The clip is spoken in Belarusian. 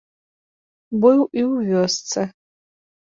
Быў і ў вёсцы.